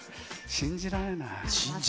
信じられない。